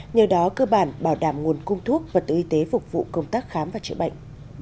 nhờ đó cơ bản bảo đảm nguồn cung thuốc và tự y tế phục vụ công tác khám và chữa bệnh